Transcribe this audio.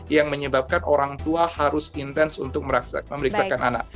yang menyebabkan orang tua harus intens untuk memeriksakan anak